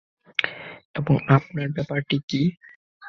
এবং আপনার ব্যাপারটি কী?